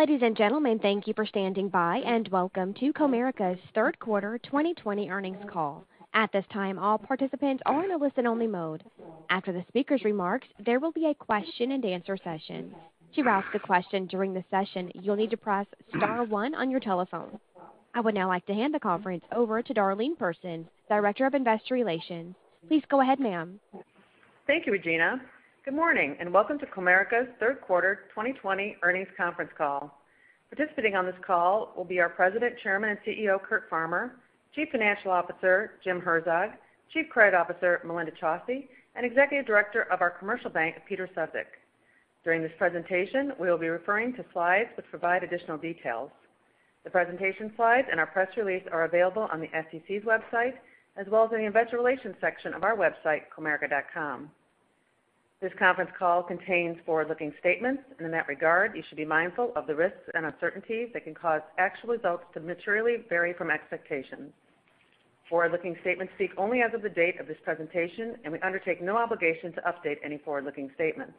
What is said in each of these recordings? Ladies and gentlemen, thank you for standing by, and welcome to Comerica's third quarter 2020 earnings call. At this time, all participants are in a listen-only mode. After the speakers' remarks, there will be a question-and-answer session. To ask a question during the session, you'll need to press star one on your telephone. I would now like to hand the conference over to Darlene Persons, Director of Investor Relations. Please go ahead, ma'am. Thank you, Regina. Good morning, and welcome to Comerica's third quarter 2020 earnings conference call. Participating on this call will be our President, Chairman, and CEO, Curt Farmer; Chief Financial Officer, Jim Herzog; Chief Credit Officer, Melinda Chausse; and Executive Director of our commercial bank, Peter Sefzik. During this presentation, we'll be referring to slides which provide additional details. The presentation slides and our press release are available on the SEC's website, as well as in the investor relations section of our website, comerica.com. This conference call contains forward-looking statements, and in that regard, you should be mindful of the risks and uncertainties that can cause actual results to materially vary from expectations. Forward-looking statements speak only as of the date of this presentation, and we undertake no obligation to update any forward-looking statements.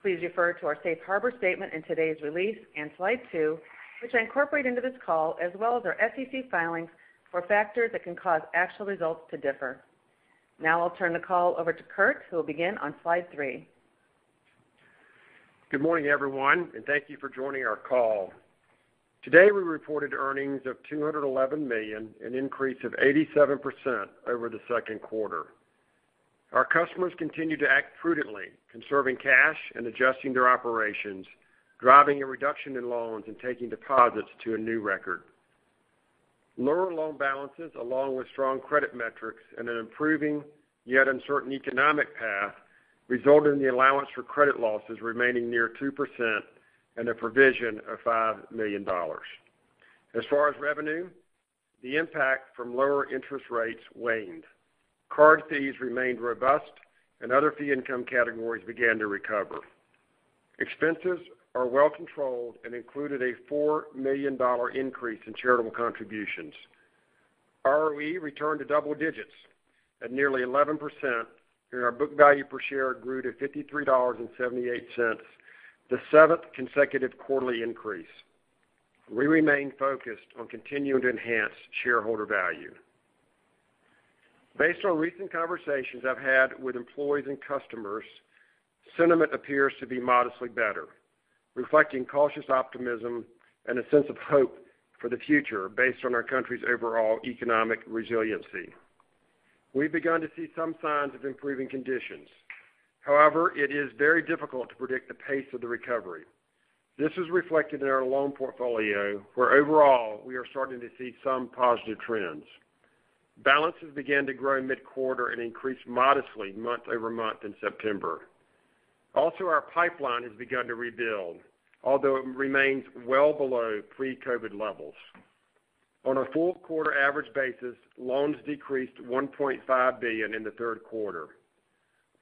Please refer to our safe harbor statement in today's release in slide two, which I incorporate into this call, as well as our SEC filings for factors that can cause actual results to differ. I'll turn the call over to Curt, who will begin on slide three. Good morning, everyone, and thank you for joining our call. Today we reported earnings of $211 million, an increase of 87% over the second quarter. Our customers continued to act prudently, conserving cash and adjusting their operations, driving a reduction in loans and taking deposits to a new record. Lower loan balances, along with strong credit metrics and an improving yet uncertain economic path, resulted in the allowance for credit losses remaining near 2% and a provision of $5 million. As far as revenue, the impact from lower interest rates waned. Card fees remained robust, and other fee income categories began to recover. Expenses are well controlled and included a $4 million increase in charitable contributions. ROE returned to double digits at nearly 11%, and our book value per share grew to $53.78, the seventh consecutive quarterly increase. We remain focused on continuing to enhance shareholder value. Based on recent conversations I've had with employees and customers, sentiment appears to be modestly better, reflecting cautious optimism and a sense of hope for the future based on our country's overall economic resiliency. We've begun to see some signs of improving conditions. However, it is very difficult to predict the pace of the recovery. This is reflected in our loan portfolio, where overall, we are starting to see some positive trends. Balances began to grow mid-quarter and increased modestly month-over-month in September. Also, our pipeline has begun to rebuild, although it remains well below pre-COVID levels. On a full quarter average basis, loans decreased $1.5 billion in the third quarter.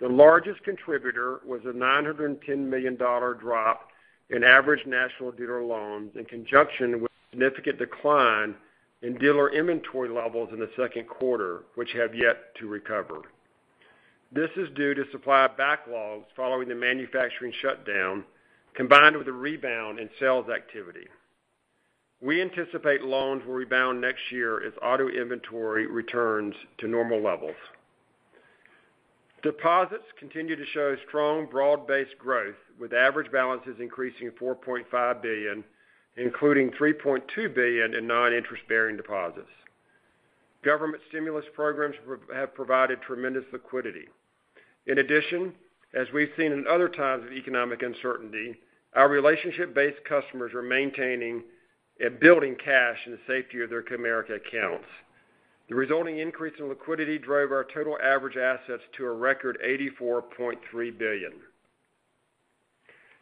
The largest contributor was a $910 million drop in average National Dealer loans in conjunction with a significant decline in dealer inventory levels in the second quarter, which have yet to recover. This is due to supply backlogs following the manufacturing shutdown, combined with a rebound in sales activity. We anticipate loans will rebound next year as auto inventory returns to normal levels. Deposits continue to show strong, broad-based growth, with average balances increasing $4.5 billion, including $3.2 billion in non-interest-bearing deposits. Government stimulus programs have provided tremendous liquidity. In addition, as we've seen in other times of economic uncertainty, our relationship-based customers are maintaining and building cash in the safety of their Comerica accounts. The resulting increase in liquidity drove our total average assets to a record $84.3 billion.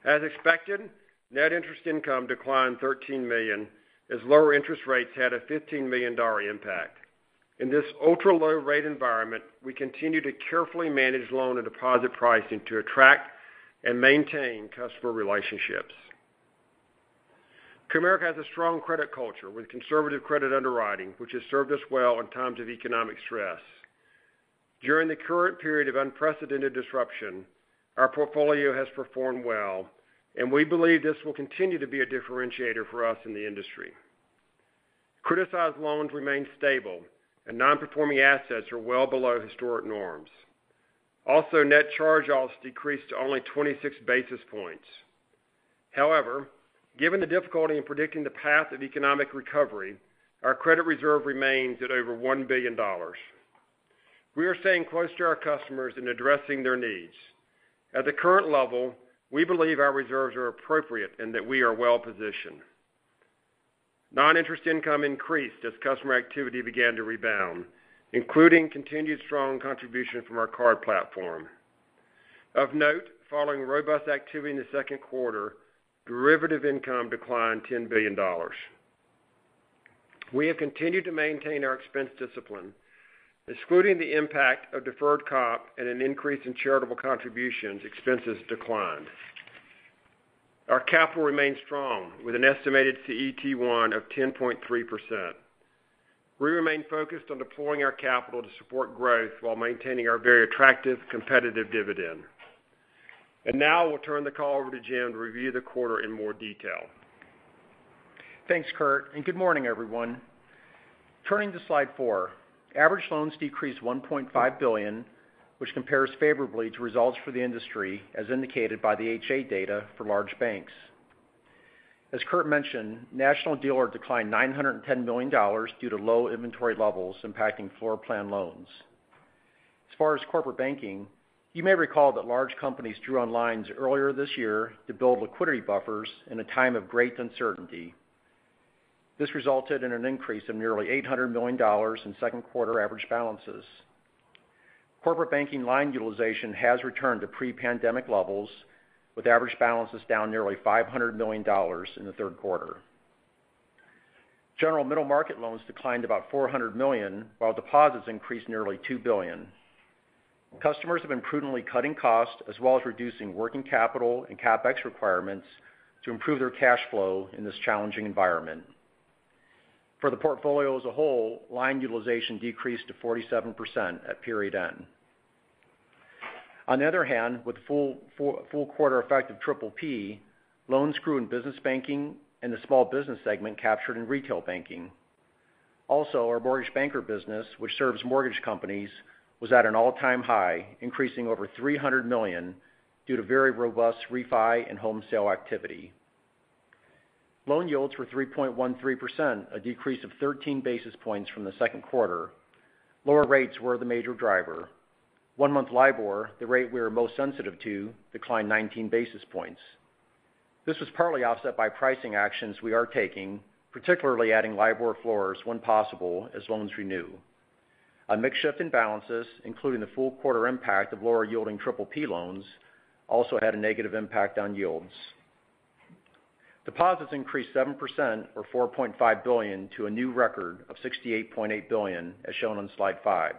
As expected, net interest income declined $13 million, as lower interest rates had a $15 million impact. In this ultra-low rate environment, we continue to carefully manage loan and deposit pricing to attract and maintain customer relationships. Comerica has a strong credit culture with conservative credit underwriting, which has served us well in times of economic stress. During the current period of unprecedented disruption, our portfolio has performed well, and we believe this will continue to be a differentiator for us in the industry. Criticized loans remain stable, and non-performing assets are well below historic norms. Also, net charge-offs decreased to only 26 basis points. However, given the difficulty in predicting the path of economic recovery, our credit reserve remains at over $1 billion. We are staying close to our customers and addressing their needs. At the current level, we believe our reserves are appropriate and that we are well-positioned. Non-interest income increased as customer activity began to rebound, including continued strong contribution from our card platform. Of note, following robust activity in the second quarter, derivative income declined $10 billion. We have continued to maintain our expense discipline. Excluding the impact of deferred comp and an increase in charitable contributions, expenses declined. Our capital remains strong, with an estimated CET1 of 10.3%. We remain focused on deploying our capital to support growth while maintaining our very attractive, competitive dividend. Now we'll turn the call over to Jim to review the quarter in more detail. Thanks, Curt, and good morning, everyone. Turning to slide four. Average loans decreased $1.5 billion, which compares favorably to results for the industry, as indicated by the H.8 data for large banks. As Curt mentioned, National Dealer declined $910 million due to low inventory levels impacting floor plan loans. As far as corporate banking, you may recall that large companies drew on lines earlier this year to build liquidity buffers in a time of great uncertainty. This resulted in an increase of nearly $800 million in second quarter average balances. Corporate banking line utilization has returned to pre-pandemic levels, with average balances down nearly $500 million in the third quarter. General middle market loans declined about $400 million while deposits increased nearly $2 billion. Customers have been prudently cutting costs as well as reducing working capital and CapEx requirements to improve their cash flow in this challenging environment. For the portfolio as a whole, line utilization decreased to 47% at period end. With full quarter effect of PPP, loans grew in business banking and the small business segment captured in retail banking. Our mortgage banker business, which serves mortgage companies, was at an all-time high, increasing over $300 million due to very robust refi and home sale activity. Loan yields were 3.13%, a decrease of 13 basis points from the second quarter. Lower rates were the major driver. One-month LIBOR, the rate we are most sensitive to, declined 19 basis points. This was partly offset by pricing actions we are taking, particularly adding LIBOR floors when possible as loans renew. A mix shift in balances, including the full quarter impact of lower yielding PPP loans, also had a negative impact on yields. Deposits increased 7%, or $4.5 billion to a new record of $68.8 billion, as shown on slide five.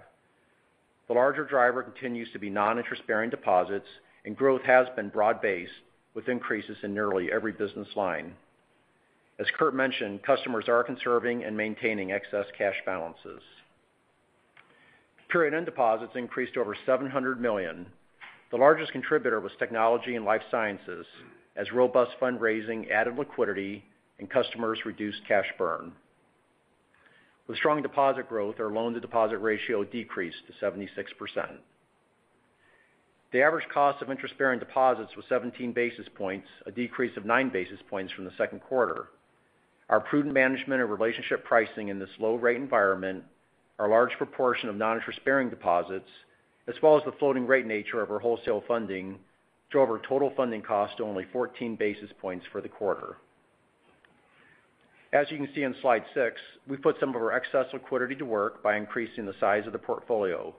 The larger driver continues to be non-interest-bearing deposits and growth has been broad-based with increases in nearly every business line. As Curt mentioned, customers are conserving and maintaining excess cash balances. Period end deposits increased to over $700 million. The largest contributor was technology and life sciences as robust fundraising added liquidity and customers reduced cash burn. With strong deposit growth, our loan-to-deposit ratio decreased to 76%. The average cost of interest-bearing deposits was 17 basis points, a decrease of nine basis points from the second quarter. Our prudent management of relationship pricing in this low rate environment, our large proportion of non-interest-bearing deposits, as well as the floating rate nature of our wholesale funding, drove our total funding cost to only 14 basis points for the quarter. As you can see on slide six, we put some of our excess liquidity to work by increasing the size of the portfolio.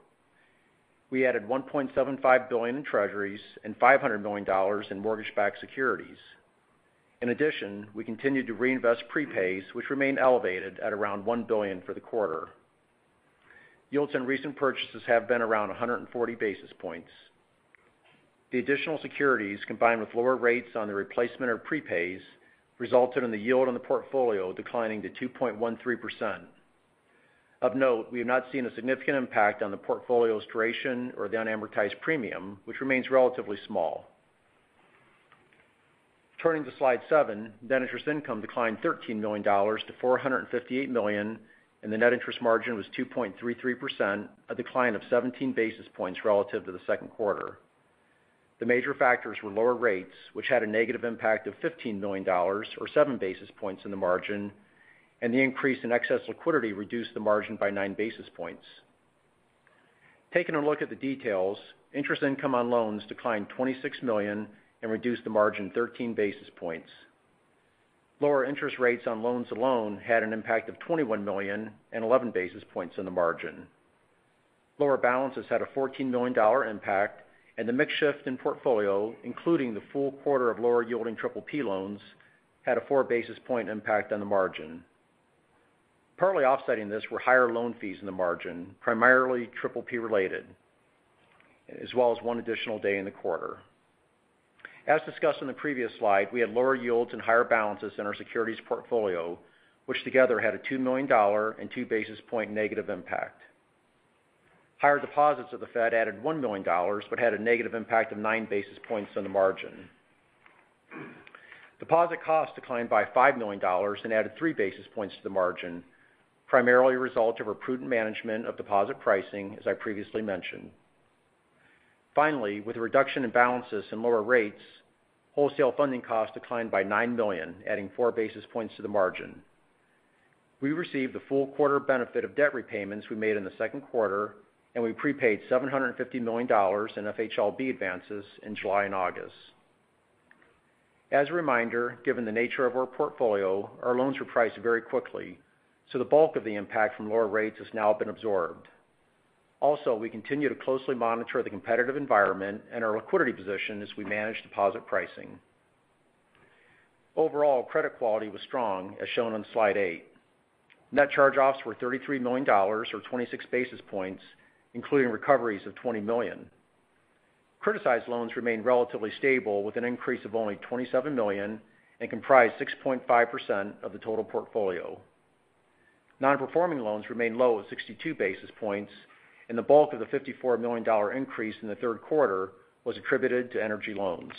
We added $1.75 billion in Treasuries and $500 million in mortgage-backed securities. In addition, we continued to reinvest prepays, which remained elevated at around $1 billion for the quarter. Yields on recent purchases have been around 140 basis points. The additional securities, combined with lower rates on the replacement of prepays, resulted in the yield on the portfolio declining to 2.13%. Of note, we have not seen a significant impact on the portfolio's duration or the unamortized premium, which remains relatively small. Turning to slide seven, net interest income declined $13 million to $458 million, and the net interest margin was 2.33%, a decline of 17 basis points relative to the second quarter. The major factors were lower rates, which had a negative impact of $15 million or seven basis points in the margin, and the increase in excess liquidity reduced the margin by nine basis points. Taking a look at the details, interest income on loans declined $26 million and reduced the margin 13 basis points. Lower interest rates on loans alone had an impact of $21 million and 11 basis points in the margin. Lower balances had a $14 million impact, and the mix shift in portfolio, including the full quarter of lower yielding PPP loans, had a four basis point impact on the margin. Partly offsetting this were higher loan fees in the margin, primarily PPP-related, as well as one additional day in the quarter. As discussed in the previous slide, we had lower yields and higher balances in our securities portfolio, which together had a $2 million and two basis point negative impact. Higher deposits at the Fed added $1 million but had a negative impact of nine basis points on the margin. Deposit cost declined by $5 million and added three basis points to the margin, primarily a result of our prudent management of deposit pricing, as I previously mentioned. With a reduction in balances and lower rates, wholesale funding cost declined by $9 million, adding four basis points to the margin. We received the full quarter benefit of debt repayments we made in the second quarter, and we prepaid $750 million in FHLB advances in July and August. As a reminder, given the nature of our portfolio, our loans reprice very quickly, so the bulk of the impact from lower rates has now been absorbed. Also, we continue to closely monitor the competitive environment and our liquidity position as we manage deposit pricing. Overall, credit quality was strong, as shown on slide eight. Net charge-offs were $33 million, or 26 basis points, including recoveries of $20 million. Criticized loans remained relatively stable with an increase of only $27 million and comprised 6.5% of the total portfolio. Non-performing loans remained low at 62 basis points, and the bulk of the $54 million increase in the third quarter was attributed to energy loans.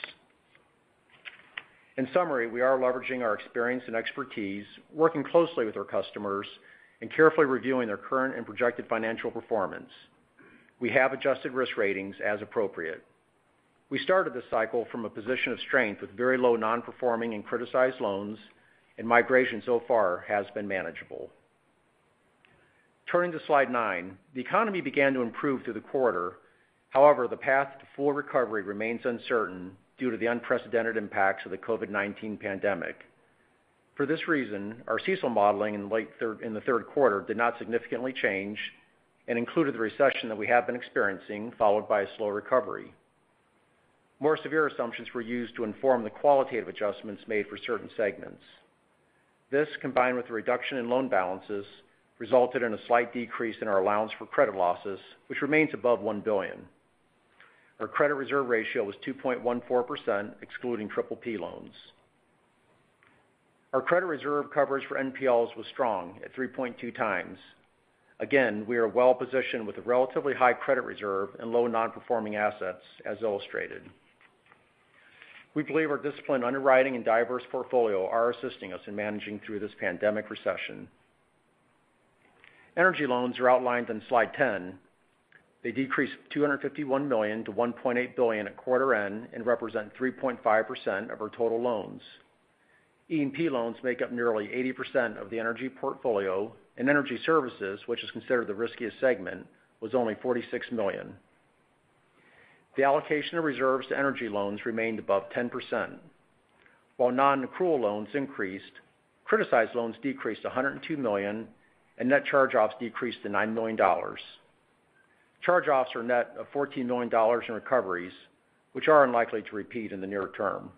In summary, we are leveraging our experience and expertise, working closely with our customers, and carefully reviewing their current and projected financial performance. We have adjusted risk ratings as appropriate. We started this cycle from a position of strength with very low non-performing and criticized loans, migration so far has been manageable. Turning to slide nine. The economy began to improve through the quarter. However, the path to full recovery remains uncertain due to the unprecedented impacts of the COVID-19 pandemic. For this reason, our CECL modeling in the third quarter did not significantly change and included the recession that we have been experiencing, followed by a slow recovery. More severe assumptions were used to inform the qualitative adjustments made for certain segments. This, combined with the reduction in loan balances, resulted in a slight decrease in our allowance for credit losses, which remains above $1 billion. Our credit reserve ratio was 2.14%, excluding PPP loans. Our credit reserve coverage for NPLs was strong at 3.2x. Again, we are well-positioned with a relatively high credit reserve and low non-performing assets, as illustrated. We believe our disciplined underwriting and diverse portfolio are assisting us in managing through this pandemic recession. Energy loans are outlined on slide 10. They decreased $251 million to $1.8 billion at quarter end and represent 3.5% of our total loans. E&P loans make up nearly 80% of the energy portfolio, and energy services, which is considered the riskiest segment, was only $46 million. The allocation of reserves to energy loans remained above 10%. While non-accrual loans increased, criticized loans decreased to $102 million, and net charge-offs decreased to $99 million. Charge-offs are net of $14 million in recoveries, which are unlikely to repeat in the near term.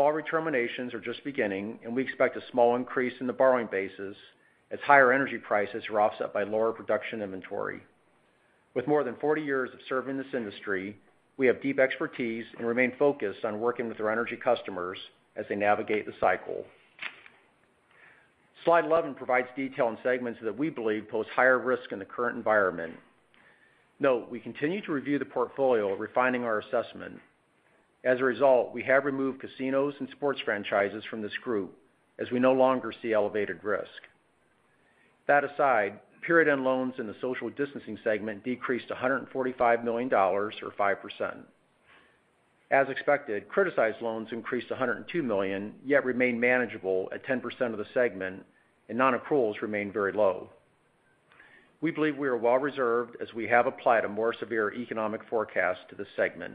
Fall redeterminations are just beginning, and we expect a small increase in the borrowing bases as higher energy prices are offset by lower production inventory. With more than 40 years of serving this industry, we have deep expertise and remain focused on working with our energy customers as they navigate the cycle. Slide 11 provides detail on segments that we believe pose higher risk in the current environment. Note, we continue to review the portfolio, refining our assessment. As a result, we have removed casinos and sports franchises from this group as we no longer see elevated risk. That aside, period-end loans in the social distancing segment decreased to $145 million, or 5%. As expected, criticized loans increased to $102 million, yet remained manageable at 10% of the segment, and non-accruals remained very low. We believe we are well reserved as we have applied a more severe economic forecast to this segment.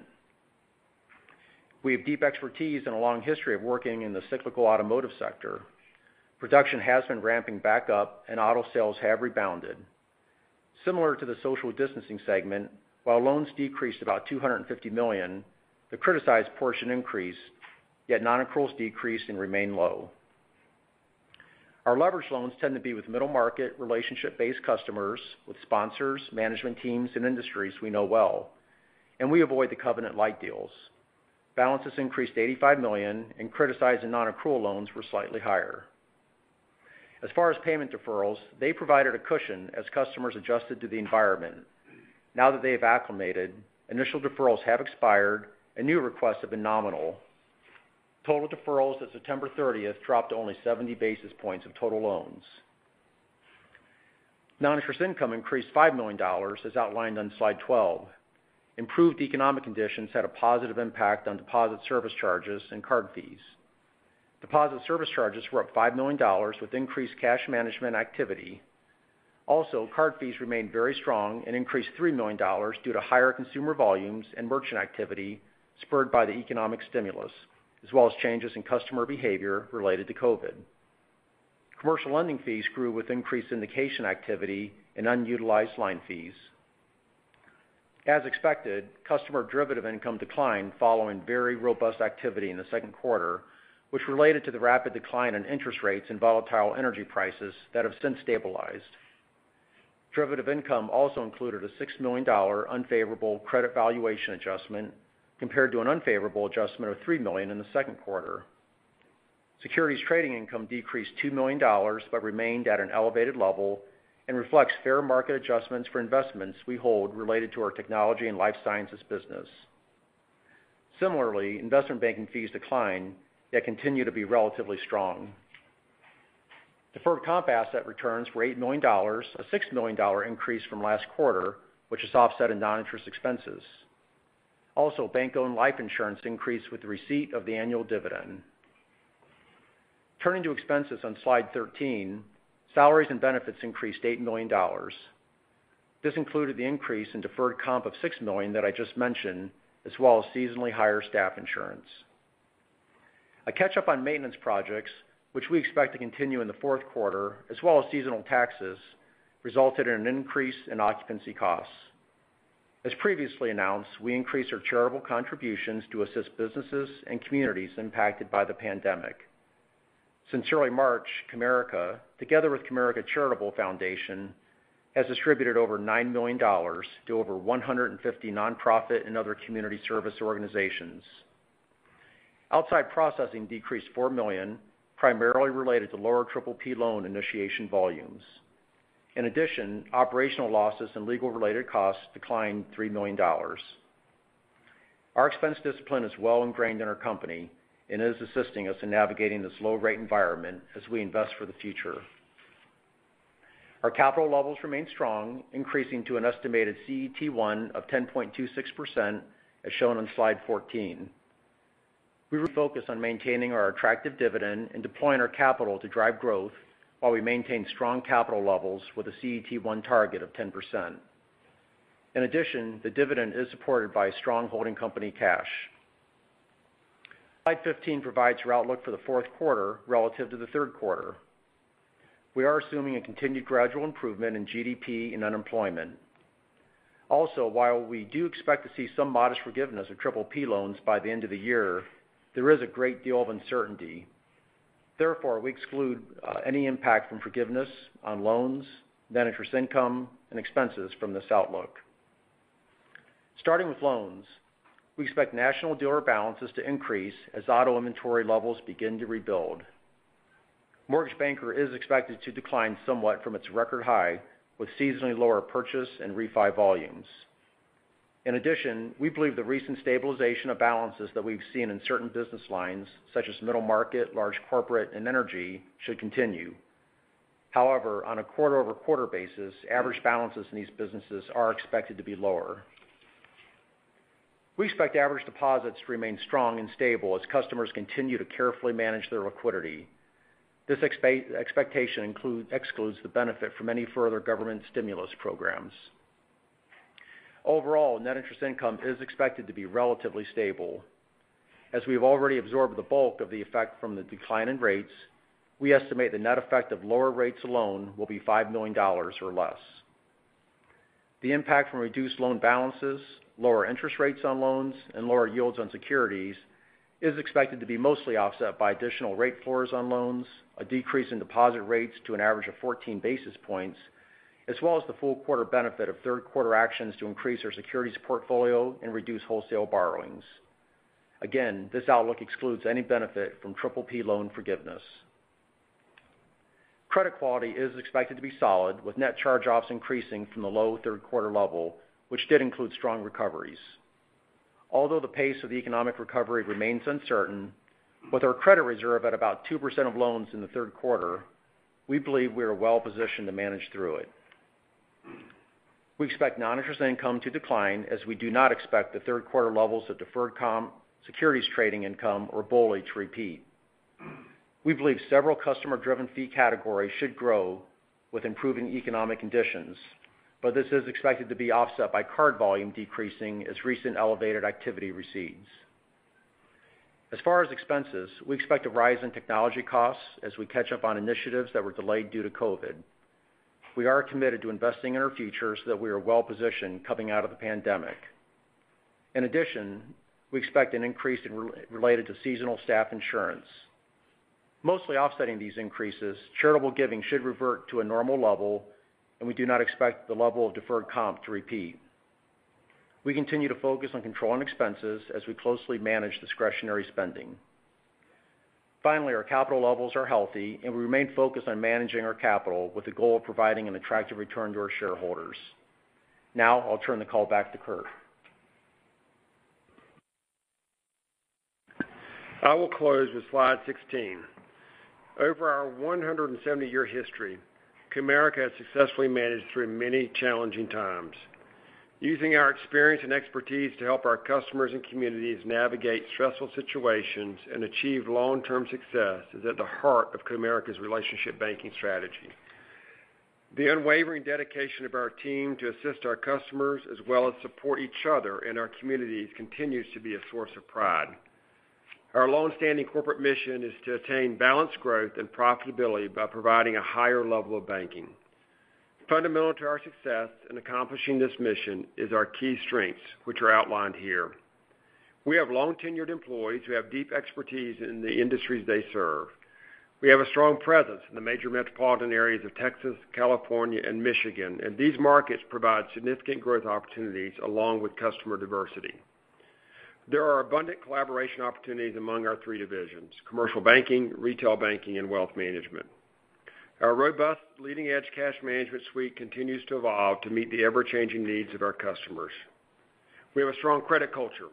We have deep expertise and a long history of working in the cyclical automotive sector. Production has been ramping back up and auto sales have rebounded. Similar to the social distancing segment, while loans decreased about $250 million, the criticized portion increased, yet non-accruals decreased and remained low. We avoid the covenant-light deals. Balances increased $85 million and criticized and non-accrual loans were slightly higher. As far as payment deferrals, they provided a cushion as customers adjusted to the environment. Now that they have acclimated, initial deferrals have expired and new requests have been nominal. Total deferrals as of September 30th dropped to only 70 basis points of total loans. Non-interest income increased $5 million, as outlined on slide 12. Improved economic conditions had a positive impact on deposit service charges and card fees. Deposit service charges were up $5 million with increased cash management activity. Card fees remained very strong and increased $3 million due to higher consumer volumes and merchant activity spurred by the economic stimulus, as well as changes in customer behavior related to COVID. Commercial lending fees grew with increased syndication activity and unutilized line fees. As expected, customer derivative income declined following very robust activity in the second quarter, which related to the rapid decline in interest rates and volatile energy prices that have since stabilized. Derivative income also included a $6 million unfavorable credit valuation adjustment compared to an unfavorable adjustment of $3 million in the second quarter. Securities trading income decreased $2 million but remained at an elevated level and reflects fair market adjustments for investments we hold related to our technology and life sciences business. Similarly, investment banking fees declined, yet continued to be relatively strong. Deferred comp asset returns were $8 million, a $6 million increase from last quarter, which is offset in non-interest expenses. Also, bank-owned life insurance increased with the receipt of the annual dividend. Turning to expenses on slide 13, salaries and benefits increased to $8 million. This included the increase in deferred comp of $6 million that I just mentioned, as well as seasonally higher staff insurance. A catch-up on maintenance projects, which we expect to continue in the fourth quarter, as well as seasonal taxes, resulted in an increase in occupancy costs. As previously announced, we increased our charitable contributions to assist businesses and communities impacted by the pandemic. Since early March, Comerica, together with Comerica Charitable Foundation, has distributed over $9 million to over 150 nonprofit and other community service organizations. Outside processing decreased $4 million, primarily related to lower PPP loan initiation volumes. Operational losses and legal related costs declined $3 million. Our expense discipline is well ingrained in our company and is assisting us in navigating this low-rate environment as we invest for the future. Our capital levels remain strong, increasing to an estimated CET1 of 10.26%, as shown on slide 14. We refocus on maintaining our attractive dividend and deploying our capital to drive growth while we maintain strong capital levels with a CET1 target of 10%. The dividend is supported by strong holding company cash. Slide 15 provides your outlook for the fourth quarter relative to the third quarter. We are assuming a continued gradual improvement in GDP and unemployment. While we do expect to see some modest forgiveness of PPP loans by the end of the year, there is a great deal of uncertainty. We exclude any impact from forgiveness on loans, net interest income, and expenses from this outlook. Starting with loans, we expect National Dealer balances to increase as auto inventory levels begin to rebuild. Mortgage banker is expected to decline somewhat from its record high with seasonally lower purchase and refi volumes. We believe the recent stabilization of balances that we've seen in certain business lines, such as middle market, large corporate, and energy, should continue. On a quarter-over-quarter basis, average balances in these businesses are expected to be lower. We expect average deposits to remain strong and stable as customers continue to carefully manage their liquidity. This expectation excludes the benefit from any further government stimulus programs. Overall, net interest income is expected to be relatively stable. As we've already absorbed the bulk of the effect from the decline in rates, we estimate the net effect of lower rates alone will be $5 million or less. The impact from reduced loan balances, lower interest rates on loans, and lower yields on securities is expected to be mostly offset by additional rate floors on loans, a decrease in deposit rates to an average of 14 basis points, as well as the full quarter benefit of third quarter actions to increase our securities portfolio and reduce wholesale borrowings. Again, this outlook excludes any benefit from PPP loan forgiveness. Credit quality is expected to be solid with net charge-offs increasing from the low third quarter level, which did include strong recoveries. Although the pace of the economic recovery remains uncertain, with our credit reserve at about 2% of loans in the third quarter, we believe we are well positioned to manage through it. We expect non-interest income to decline as we do not expect the third quarter levels of deferred comp, securities trading income or BOLI to repeat. We believe several customer-driven fee categories should grow with improving economic conditions. This is expected to be offset by card volume decreasing as recent elevated activity recedes. As far as expenses, we expect a rise in technology costs as we catch up on initiatives that were delayed due to COVID. We are committed to investing in our future so that we are well positioned coming out of the pandemic. In addition, we expect an increase related to seasonal staff insurance. Mostly offsetting these increases, charitable giving should revert to a normal level, and we do not expect the level of deferred comp to repeat. We continue to focus on controlling expenses as we closely manage discretionary spending. Finally, our capital levels are healthy, and we remain focused on managing our capital with the goal of providing an attractive return to our shareholders. I'll turn the call back to Curt. I will close with slide 16. Over our 170-year history, Comerica has successfully managed through many challenging times. Using our experience and expertise to help our customers and communities navigate stressful situations and achieve long-term success is at the heart of Comerica's relationship banking strategy. The unwavering dedication of our team to assist our customers as well as support each other and our communities continues to be a source of pride. Our longstanding corporate mission is to attain balanced growth and profitability by providing a higher level of banking. Fundamental to our success in accomplishing this mission is our key strengths, which are outlined here. We have long-tenured employees who have deep expertise in the industries they serve. We have a strong presence in the major metropolitan areas of Texas, California, and Michigan, and these markets provide significant growth opportunities along with customer diversity. There are abundant collaboration opportunities among our three divisions: commercial banking, retail banking, and wealth management. Our robust leading-edge cash management suite continues to evolve to meet the ever-changing needs of our customers. We have a strong credit culture.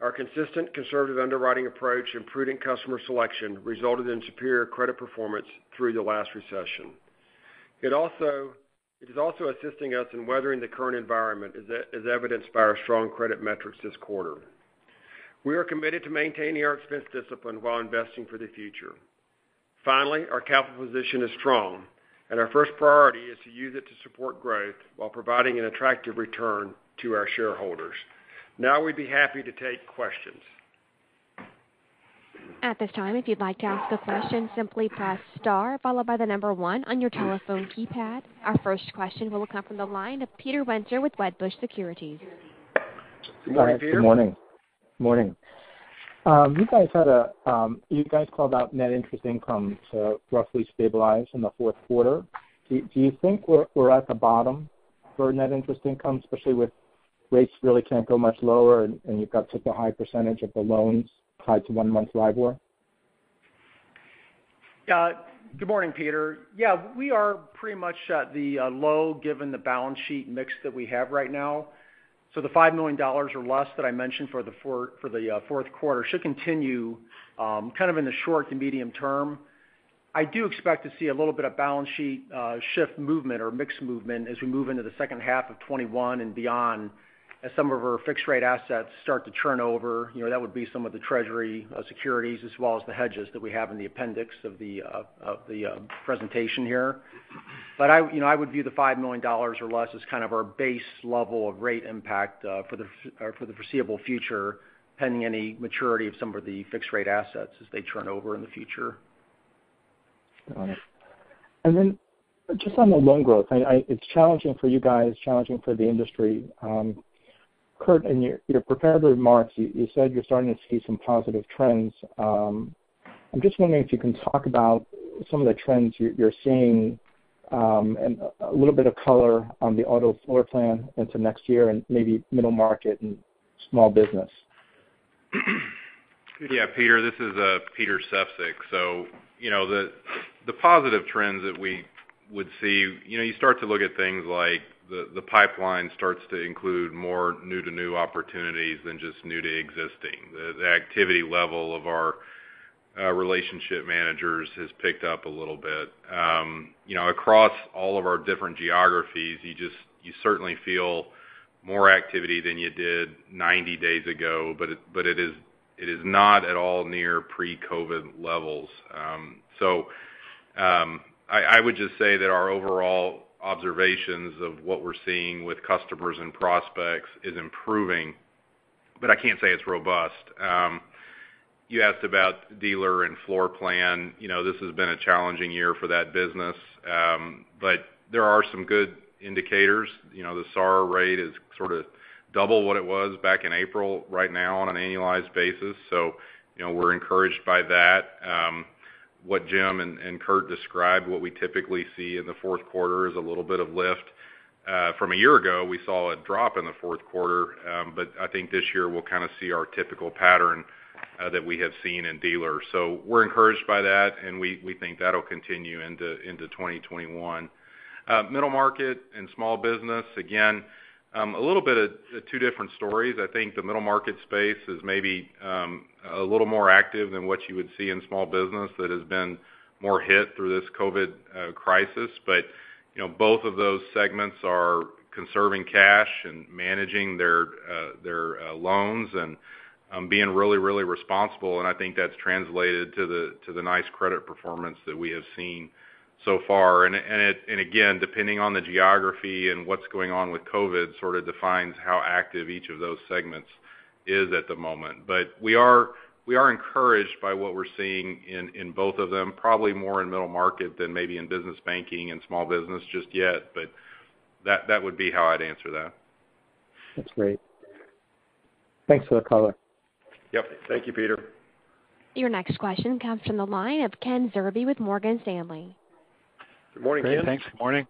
Our consistent conservative underwriting approach and prudent customer selection resulted in superior credit performance through the last recession. It is also assisting us in weathering the current environment as evidenced by our strong credit metrics this quarter. We are committed to maintaining our expense discipline while investing for the future. Finally, our capital position is strong, and our first priority is to use it to support growth while providing an attractive return to our shareholders. Now we'd be happy to take questions. Our first question will come from the line of Peter Winter with Wedbush Securities. Good morning, Peter. Morning. You guys called out net interest income to roughly stabilize in the fourth quarter. Do you think we're at the bottom for net interest income, especially with rates really can't go much lower and you've got such a high percentage of the loans tied to one-month LIBOR? Good morning, Peter. Yeah, we are pretty much at the low given the balance sheet mix that we have right now. The $5 million or less that I mentioned for the fourth quarter should continue kind of in the short to medium-term. I do expect to see a little bit of balance sheet shift movement or mix movement as we move into the second half of 2021 and beyond, as some of our fixed rate assets start to turn over. That would be some of the Treasury securities as well as the hedges that we have in the appendix of the presentation here. I would view the $5 million or less as kind of our base level of rate impact for the foreseeable future, pending any maturity of some of the fixed rate assets as they turn over in the future. Got it. Just on the loan growth, it's challenging for you guys, challenging for the industry. Curt, in your prepared remarks, you said you're starting to see some positive trends. I'm just wondering if you can talk about some of the trends you're seeing, and a little bit of color on the auto floor plan into next year and maybe middle market and small business. Peter, this is Peter Sefzik. The positive trends that we would see, you start to look at things like the pipeline starts to include more new-to-new opportunities than just new to existing. The activity level of our relationship managers has picked up a little bit. Across all of our different geographies, you certainly feel more activity than you did 90 days ago, it is not at all near pre-COVID levels. I would just say that our overall observations of what we're seeing with customers and prospects is improving, I can't say it's robust. You asked about dealer and floor plan. This has been a challenging year for that business. There are some good indicators. The SAAR rate is sort of double what it was back in April right now on an annualized basis. We're encouraged by that. What Jim and Curt described, what we typically see in the fourth quarter is a little bit of lift. From a year ago, we saw a drop in the fourth quarter. I think this year we'll kind of see our typical pattern that we have seen in dealers. We're encouraged by that, and we think that'll continue into 2021. Middle market and small business, again, a little bit of two different stories. I think the middle market space is maybe a little more active than what you would see in small business that has been more hit through this COVID crisis. Both of those segments are conserving cash and managing their loans and being really responsible, and I think that's translated to the nice credit performance that we have seen so far. Depending on the geography and what's going on with COVID sort of defines how active each of those segments is at the moment. We are encouraged by what we're seeing in both of them, probably more in middle market than maybe in business banking and small business just yet. That would be how I'd answer that. That's great. Thanks for the color. Yep. Thank you, Peter. Your next question comes from the line of Ken Zerbe with Morgan Stanley. Good morning, Ken. Great, thanks. Morning.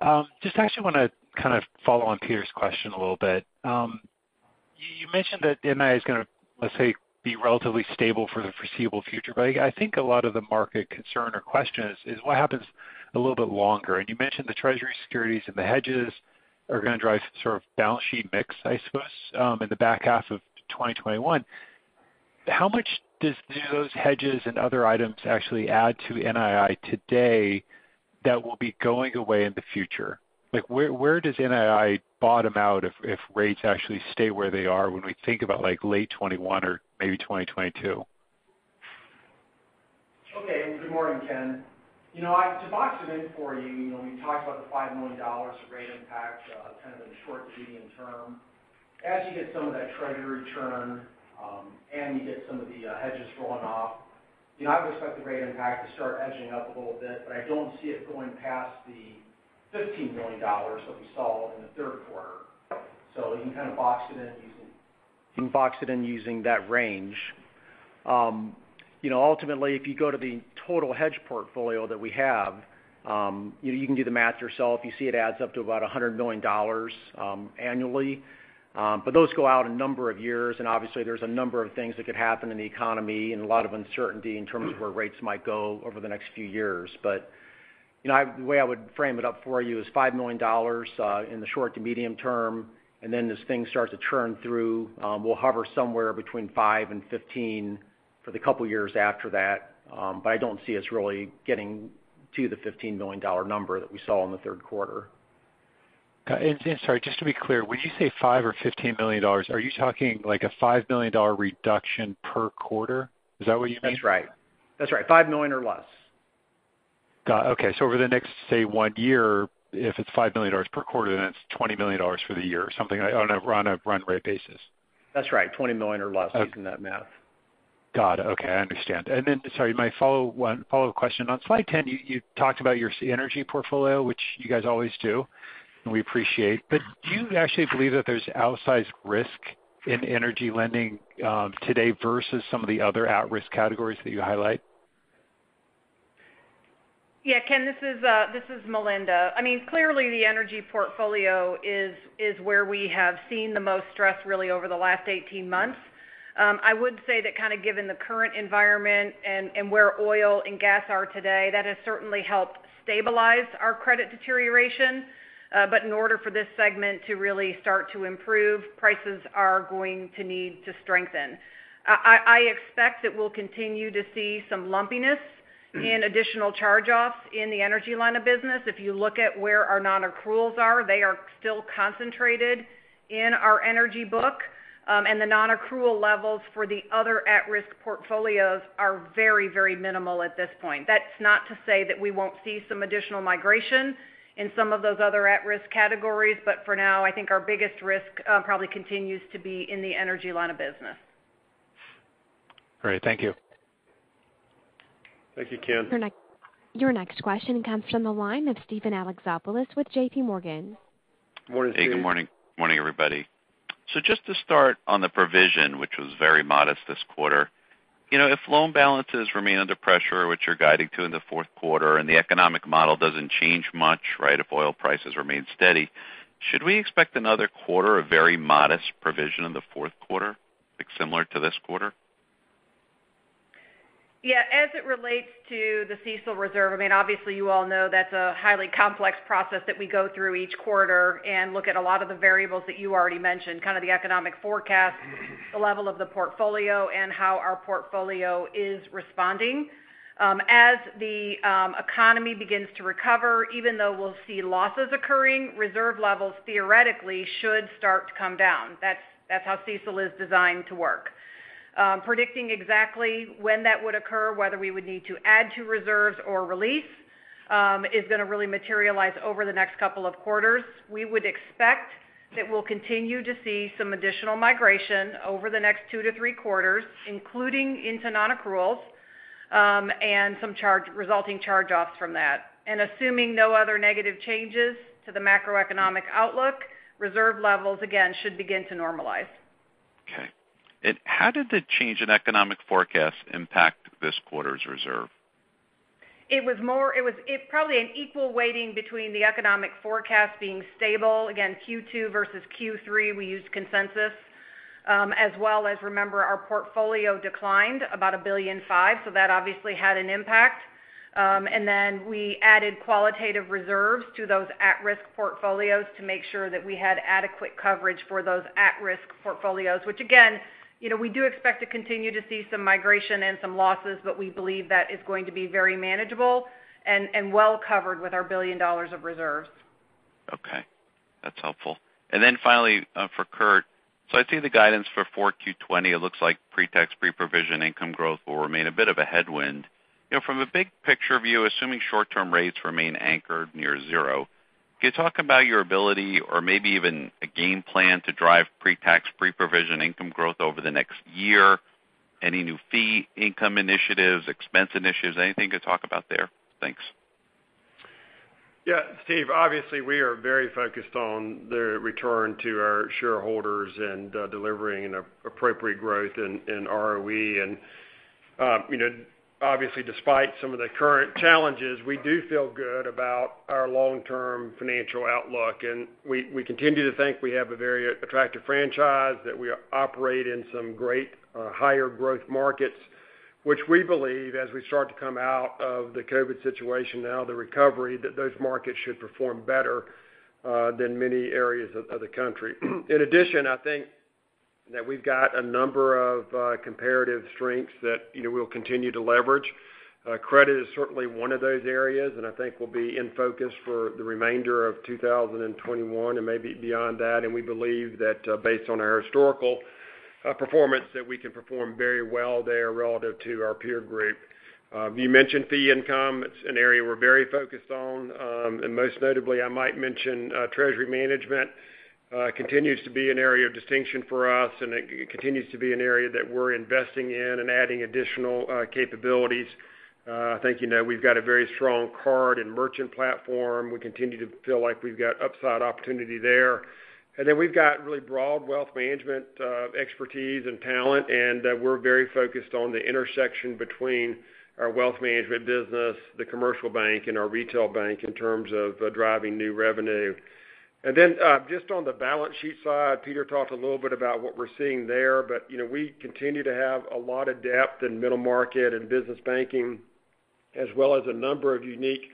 Actually want to kind of follow on Peter's question a little bit. You mentioned that NII is going to, let's say, be relatively stable for the foreseeable future. I think a lot of the market concern or question is what happens a little bit longer. You mentioned the Treasury securities and the hedges are going to drive some sort of balance sheet mix, I suppose, in the back half of 2021. How much do those hedges and other items actually add to NII today that will be going away in the future? Where does NII bottom out if rates actually stay where they are when we think about late 2021 or maybe 2022? Okay. Good morning, Ken. To box it in for you, we talked about the $5 million of rate impact kind of in the short to medium term. As you get some of that Treasury turn and you get some of the hedges rolling off, I would expect the rate impact to start edging up a little bit, but I don't see it going past the $15 million that we saw in the third quarter. You can kind of box it in using that range. Ultimately, if you go to the total hedge portfolio that we have, you can do the math yourself. You see it adds up to about $100 million annually. Those go out a number of years, and obviously there's a number of things that could happen in the economy and a lot of uncertainty in terms of where rates might go over the next few years. The way I would frame it up for you is $5 million in the short to medium term, and then as things start to turn through, we'll hover somewhere between $5 million and $15 million for the couple years after that. I don't see us really getting to the $15 million number that we saw in the third quarter. Sorry, just to be clear, when you say $5 million or $15 million, are you talking like a $5 million reduction per quarter? Is that what you mean? That's right. $5 million or less. Got it. Okay. Over the next, say, one year, if it's $5 million per quarter, it's $20 million for the year or something on a run rate basis. That's right. $20 million or less using that math. Got it. Okay, I understand. Sorry, my follow-up question. On slide 10, you talked about your energy portfolio, which you guys always do, and we appreciate. Do you actually believe that there's outsized risk in energy lending today versus some of the other at-risk categories that you highlight? Yeah, Ken, this is Melinda. Clearly, the energy portfolio is where we have seen the most stress really over the last 18 months. I would say that kind of given the current environment and where oil and gas are today, that has certainly helped stabilize our credit deterioration. In order for this segment to really start to improve, prices are going to need to strengthen. I expect that we'll continue to see some lumpiness in additional charge-offs in the energy line of business. If you look at where our non-accruals are, they are still concentrated in our energy book. The non-accrual levels for the other at-risk portfolios are very minimal at this point. That's not to say that we won't see some additional migration in some of those other at-risk categories. For now, I think our biggest risk probably continues to be in the energy line of business. Great. Thank you. Thank you, Ken. Your next question comes from the line of Steven Alexopoulos with JPMorgan. Morning, Steven. Hey, good morning. Morning, everybody. Just to start on the provision, which was very modest this quarter. If loan balances remain under pressure, which you're guiding to in the fourth quarter, and the economic model doesn't change much, if oil prices remain steady, should we expect another quarter, a very modest provision in the fourth quarter, similar to this quarter? Yeah. As it relates to the CECL reserve, obviously you all know that's a highly complex process that we go through each quarter and look at a lot of the variables that you already mentioned, kind of the economic forecast, the level of the portfolio, and how our portfolio is responding. As the economy begins to recover, even though we'll see losses occurring, reserve levels theoretically should start to come down. That's how CECL is designed to work. Predicting exactly when that would occur, whether we would need to add to reserves or release is going to really materialize over the next couple of quarters. We would expect that we'll continue to see some additional migration over the next two to three quarters, including into non-accruals, and some resulting charge-offs from that. Assuming no other negative changes to the macroeconomic outlook, reserve levels again should begin to normalize. Okay. How did the change in economic forecast impact this quarter's reserve? It was probably an equal weighting between the economic forecast being stable. Again, Q2 versus Q3, we used consensus. As well as remember, our portfolio declined about $1.5 billion, that obviously had an impact. We added qualitative reserves to those at-risk portfolios to make sure that we had adequate coverage for those at-risk portfolios. Which again, we do expect to continue to see some migration and some losses, we believe that is going to be very manageable and well-covered with our $1 billion of reserves. Okay. That's helpful. Then finally, for Curt. I see the guidance for 4Q20. It looks like pre-tax, pre-provision income growth will remain a bit of a headwind. From the big picture view, assuming short-term rates remain anchored near zero, can you talk about your ability or maybe even a game plan to drive pre-tax, pre-provision income growth over the next year? Any new fee income initiatives, expense initiatives, anything to talk about there? Thanks. Yeah. Steven, obviously, we are very focused on the return to our shareholders and delivering an appropriate growth in ROE. Obviously, despite some of the current challenges, we do feel good about our long-term financial outlook, and we continue to think we have a very attractive franchise, that we operate in some great higher growth markets, which we believe as we start to come out of the COVID situation now, the recovery, that those markets should perform better than many areas of the country. In addition, I think that we've got a number of comparative strengths that we'll continue to leverage. Credit is certainly one of those areas, and I think will be in focus for the remainder of 2021 and maybe beyond that. We believe that based on our historical performance, that we can perform very well there relative to our peer group. You mentioned fee income. It's an area we're very focused on. Most notably, I might mention treasury management continues to be an area of distinction for us, and it continues to be an area that we're investing in and adding additional capabilities. I think you know we've got a very strong card and merchant platform. We continue to feel like we've got upside opportunity there. Then we've got really broad wealth management expertise and talent, and we're very focused on the intersection between our wealth management business, The Commercial Bank, and our retail bank in terms of driving new revenue. Just on the balance sheet side, Peter talked a little bit about what we're seeing there, but we continue to have a lot of depth in middle market and business banking. As well as a number of unique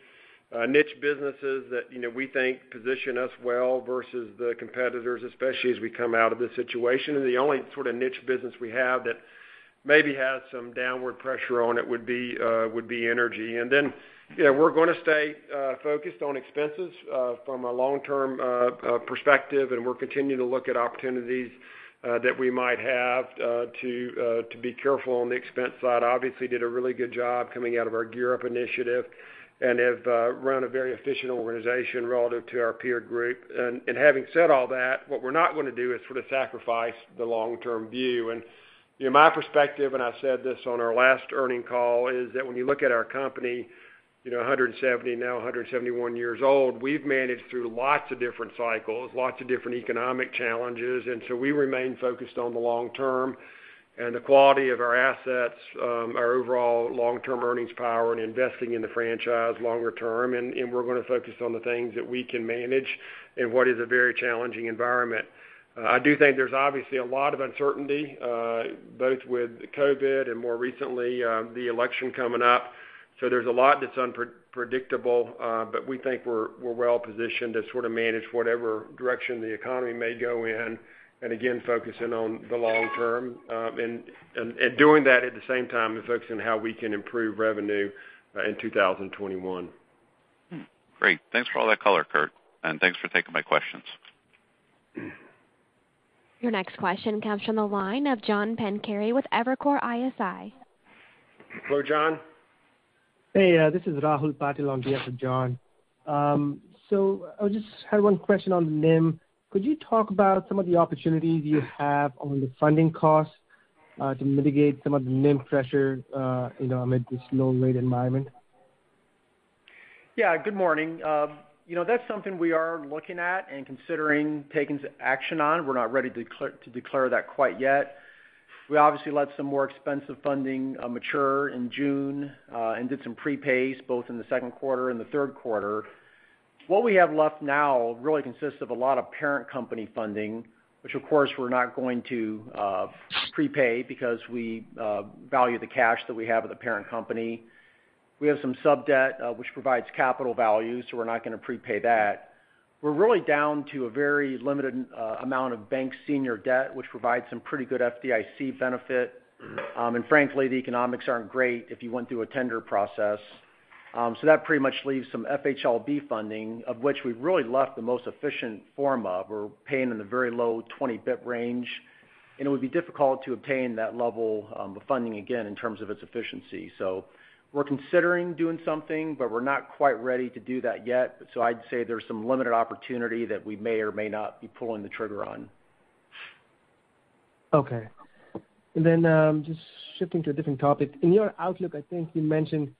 niche businesses that we think position us well versus the competitors, especially as we come out of this situation. The only sort of niche business we have that maybe has some downward pressure on it would be energy. We're going to stay focused on expenses from a long-term perspective, and we'll continue to look at opportunities that we might have to be careful on the expense side. Obviously did a really good job coming out of our GEAR Up initiative and have run a very efficient organization relative to our peer group. Having said all that, what we're not going to do is sort of sacrifice the long-term view. My perspective, and I said this on our last earning call, is that when you look at our company, 170, now 171 years old, we've managed through lots of different cycles, lots of different economic challenges. We remain focused on the long term and the quality of our assets, our overall long-term earnings power and investing in the franchise longer term. We're going to focus on the things that we can manage in what is a very challenging environment. I do think there's obviously a lot of uncertainty, both with COVID and more recently, the election coming up. There's a lot that's unpredictable, but we think we're well positioned to sort of manage whatever direction the economy may go in. Again, focusing on the long term, and doing that at the same time as focusing on how we can improve revenue in 2021. Great. Thanks for all that color, Curt, and thanks for taking my questions. Your next question comes from the line of John Pancari with Evercore ISI. Hello, John. Hey, this is Rahul Patil on behalf of John. I just had one question on NIM. Could you talk about some of the opportunities you have on the funding costs, to mitigate some of the NIM pressure amid this low rate environment? Good morning. That's something we are looking at and considering taking some action on. We're not ready to declare that quite yet. We obviously let some more expensive funding mature in June, and did some prepays both in the second quarter and the third quarter. What we have left now really consists of a lot of parent company funding, which of course we're not going to prepay because we value the cash that we have with the parent company. We have some sub-debt, which provides capital value, so we're not going to prepay that. We're really down to a very limited amount of bank senior debt, which provides some pretty good FDIC benefit. Frankly, the economics aren't great if you went through a tender process. That pretty much leaves some FHLB funding, of which we've really left the most efficient form of. We're paying in the very low 20 basis point range, and it would be difficult to obtain that level of funding again in terms of its efficiency. We're considering doing something, but we're not quite ready to do that yet. I'd say there's some limited opportunity that we may or may not be pulling the trigger on. Okay. Just shifting to a different topic. In your outlook, I think you mentioned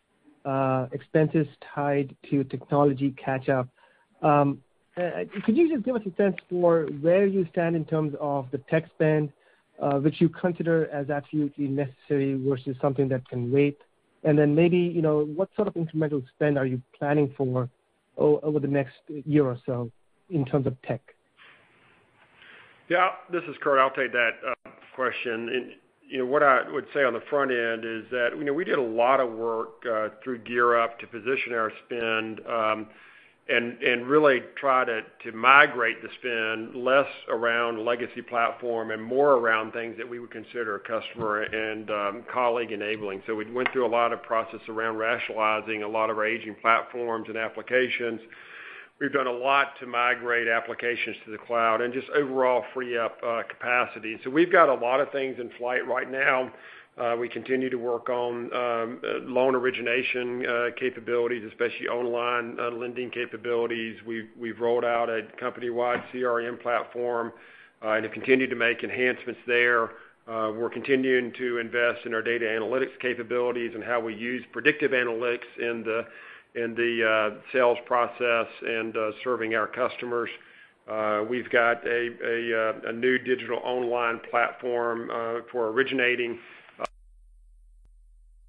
expenses tied to technology catch-up. Could you just give a sense for where you stand in terms of the tech spend, which you consider as absolutely necessary versus something that can wait? Maybe, what sort of incremental spend are you planning for over the next year or so in terms of tech? Yeah. This is Curt. I'll take that question. What I would say on the front end is that, we did a lot of work through GEAR Up to position our spend, and really try to migrate the spend less around legacy platform and more around things that we would consider customer and colleague enabling. We went through a lot of process around rationalizing a lot of our aging platforms and applications. We've done a lot to migrate applications to the cloud and just overall free up capacity. We've got a lot of things in flight right now. We continue to work on loan origination capabilities, especially online lending capabilities. We've rolled out a company-wide CRM platform, and have continued to make enhancements there. We're continuing to invest in our data analytics capabilities and how we use predictive analytics in the sales process and serving our customers. We've got a new digital online platform for originating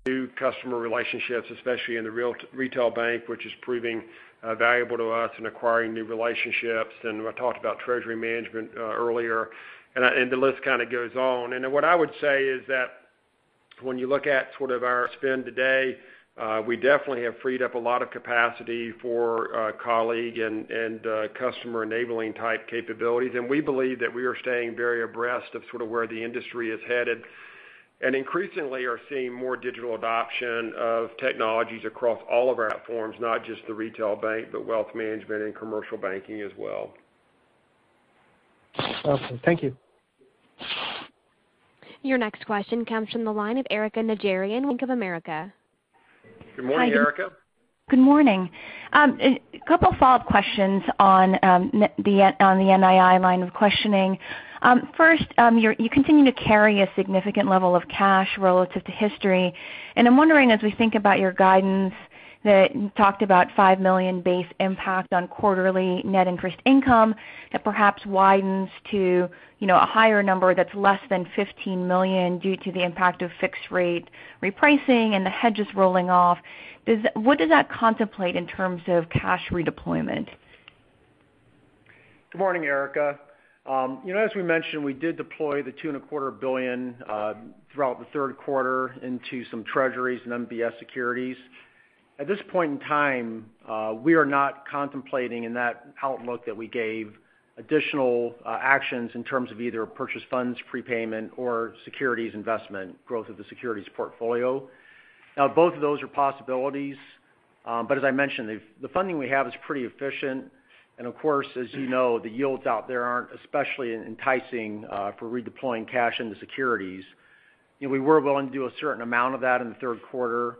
new customer relationships, especially in the Retail Bank, which is proving valuable to us in acquiring new relationships. I talked about Treasury Management earlier, and the list kind of goes on. What I would say is that when you look at sort of our spend today, we definitely have freed up a lot of capacity for colleague and customer enabling type capabilities. We believe that we are staying very abreast of sort of where the industry is headed. Increasingly are seeing more digital adoption of technologies across all of our platforms, not just the Retail Bank, but Wealth Management and Commercial Banking as well. Awesome. Thank you. Your next question comes from the line of Erika Najarian, Bank of America. Good morning, Erika. Good morning. A couple follow-up questions on the NII line of questioning. First, you continue to carry a significant level of cash relative to history. I'm wondering, as we think about your guidance, that you talked about $5 million base impact on quarterly net interest income that perhaps widens to a higher number that's less than $15 million due to the impact of fixed rate repricing and the hedges rolling off. What does that contemplate in terms of cash redeployment? Good morning, Erika. As we mentioned, we did deploy the $2.25 billion throughout the third quarter into some treasuries and MBS securities. At this point in time, we are not contemplating in that outlook that we gave additional actions in terms of either purchase funds, prepayment, or securities investment, growth of the securities portfolio. Both of those are possibilities. As I mentioned, the funding we have is pretty efficient. Of course, as you know, the yields out there aren't especially enticing for redeploying cash into securities. We were willing to do a certain amount of that in the third quarter,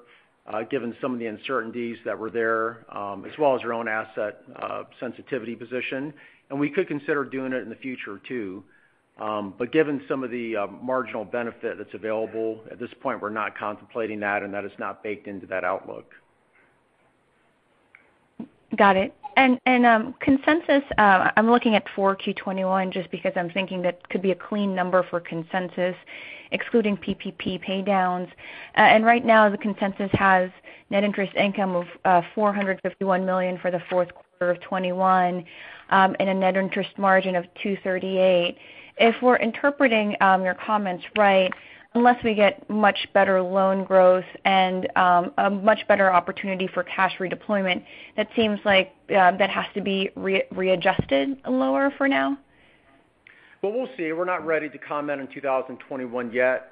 given some of the uncertainties that were there, as well as our own asset sensitivity position. We could consider doing it in the future too. Given some of the marginal benefit that's available, at this point, we're not contemplating that, and that is not baked into that outlook. Got it. Consensus, I'm looking at 4Q 2021 just because I'm thinking that could be a clean number for consensus, excluding PPP paydowns. Right now, the consensus has net interest income of $451 million for the fourth quarter of 2021, and a net interest margin of 238. If we're interpreting your comments right, unless we get much better loan growth and a much better opportunity for cash redeployment, that seems like that has to be readjusted lower for now? Well, we'll see. We're not ready to comment on 2021 yet.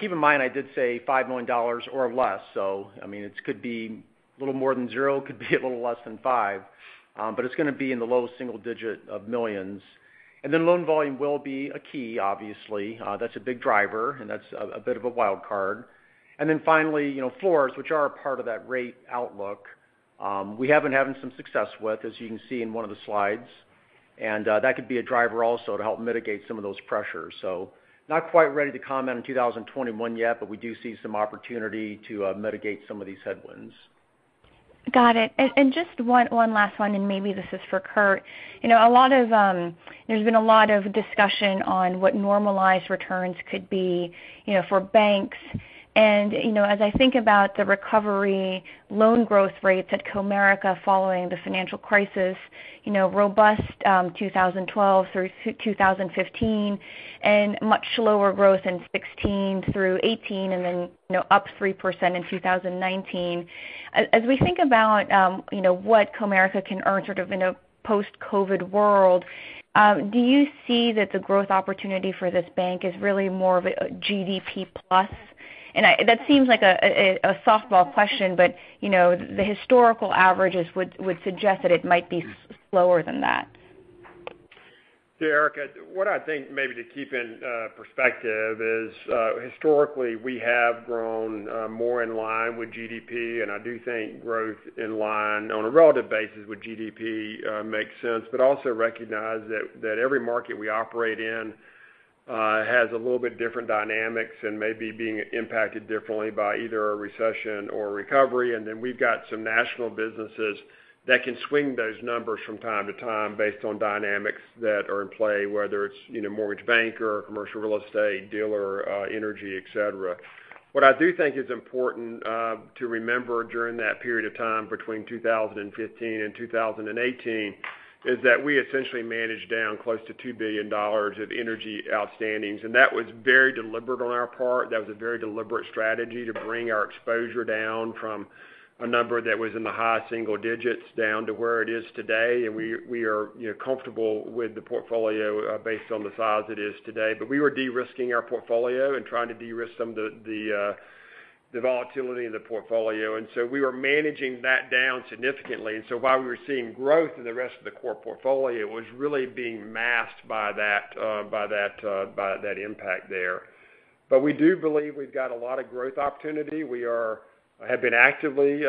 Keep in mind, I did say $5 million or less, so it could be a little more than zero, could be a little less than five. It's going to be in the low single digit of millions. Loan volume will be a key, obviously. That's a big driver, and that's a bit of a wild card. Finally, floors, which are a part of that rate outlook. We have been having some success with, as you can see in one of the slides. That could be a driver also to help mitigate some of those pressures. Not quite ready to comment on 2021 yet, but we do see some opportunity to mitigate some of these headwinds. Got it. Just one last one, and maybe this is for Curt. There's been a lot of discussion on what normalized returns could be for banks. As I think about the recovery loan growth rates at Comerica following the financial crisis, robust 2012-2015, much lower growth in 2016-2018, then up 3% in 2019. As we think about what Comerica can earn in a post-COVID world, do you see that the growth opportunity for this bank is really more of a GDP plus? That seems like a softball question, the historical averages would suggest that it might be slower than that. Yeah, Erika, what I think maybe to keep in perspective is, historically, we have grown more in line with GDP. I do think growth in line on a relative basis with GDP makes sense, but also recognize that every market we operate in has a little bit different dynamics and may be being impacted differently by either a recession or recovery. Then we've got some national businesses that can swing those numbers from time to time based on dynamics that are in play, whether it's mortgage bank or commercial real estate, dealer, energy, et cetera. What I do think is important to remember during that period of time between 2015 and 2018 is that we essentially managed down close to $2 billion of energy outstandings. That was very deliberate on our part. That was a very deliberate strategy to bring our exposure down from a number that was in the high single digits down to where it is today, and we are comfortable with the portfolio based on the size it is today. We were de-risking our portfolio and trying to de-risk some of the volatility in the portfolio. We were managing that down significantly. While we were seeing growth in the rest of the core portfolio, it was really being masked by that impact there. We do believe we've got a lot of growth opportunity. We have been actively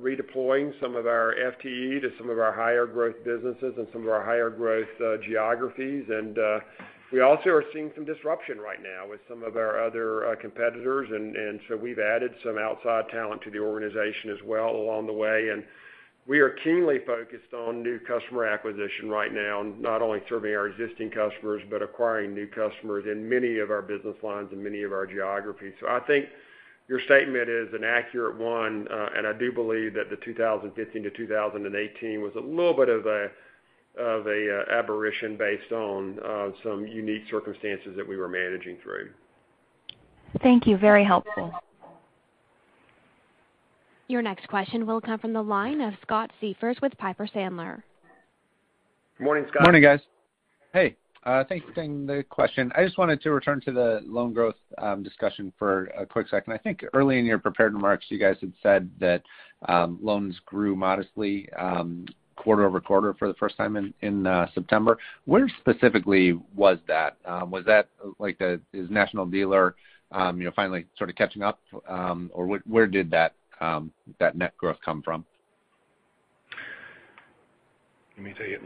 redeploying some of our FTE to some of our higher growth businesses and some of our higher growth geographies. We also are seeing some disruption right now with some of our other competitors. We've added some outside talent to the organization as well along the way. We are keenly focused on new customer acquisition right now, not only serving our existing customers, but acquiring new customers in many of our business lines and many of our geographies. I think your statement is an accurate one, and I do believe that the 2015-2018 was a little bit of a aberration based on some unique circumstances that we were managing through. Thank you. Very helpful. Your next question will come from the line of Scott Siefers with Piper Sandler. Morning, Scott. Morning, guys. Hey, thanks for taking the question. I just wanted to return to the loan growth discussion for a quick second. I think early in your prepared remarks, you guys had said that loans grew modestly quarter-over-quarter for the first time in September. Where specifically was that? Is National Dealer finally sort of catching up? Where did that net growth come from? Let me take it.